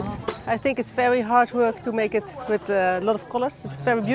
saya pikir ini sangat berusaha untuk membuatnya dengan banyak warna sangat indah